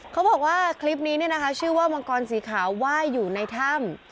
เขาบอกว่าคลิปนี้ชื่อว่ามังกรสีขาวว่ายอยู่ในถ้ำ